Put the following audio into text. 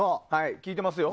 聞いてますよ。